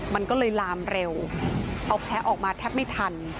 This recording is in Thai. มันก็เลยลามเร็วเอาแพ้ออกมาแทบไม่ทัน